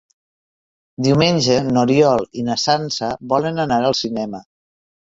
Diumenge n'Oriol i na Sança volen anar al cinema.